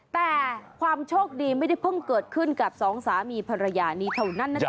แต่ความโชคดีไม่ได้เพิ่งเกิดขึ้นกับสองสามีภรรยานี้เท่านั้นนะจ๊